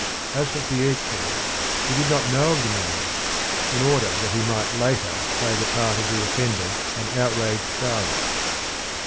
As for Pietro he did not know of the marriage, in order that he might later play the part of the offended and outraged father.